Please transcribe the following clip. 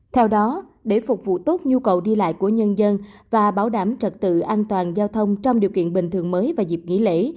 theo đó để phục vụ tốt nhu cầu đi lại của nhân dân và bảo đảm trật tự an toàn giao thông trong điều kiện bình thường mới và dịp nghỉ lễ